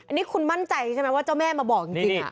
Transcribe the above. อันนี้คุณมั่นใจใช่ไหมว่าเจ้าแม่มาบอกจริง